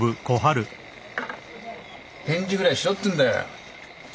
返事ぐらいしろってんだよ。